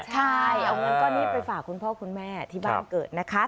เอาเงินไปฝากคุณพ่อคุณแม่ที่บ้านเกิดนะคะ